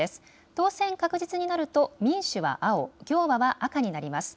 当選確実になると民主は青、共和は赤になります。